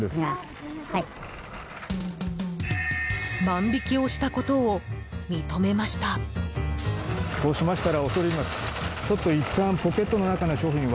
万引きをしたことを認めました。